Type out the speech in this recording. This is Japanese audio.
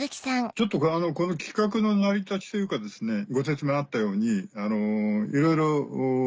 ちょっとこの企画の成り立ちというかご説明あったようにいろいろＮＨＫ